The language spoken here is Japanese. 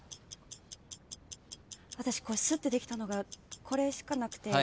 私これすってできたのがこれしかなくて。